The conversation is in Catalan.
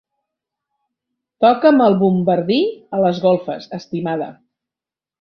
Toca'm el bombardí a les golfes, estimada.